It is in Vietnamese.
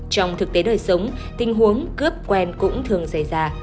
trong thực tế đời sống tình huống cướp quen cũng thường xảy ra